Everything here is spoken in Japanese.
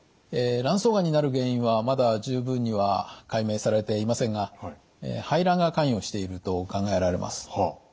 卵巣がんになる原因はまだ十分には解明されていませんが排卵が関与していると考えられます。